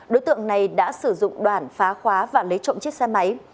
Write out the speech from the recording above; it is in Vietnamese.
đối tượng này đã sử dụng đoạn phá khóa và lấy trộm chiếc xe máy